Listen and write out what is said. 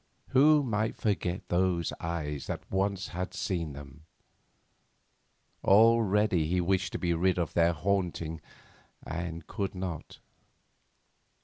Who might forget those eyes that once had seen them? Already he wished to be rid of their haunting and could not.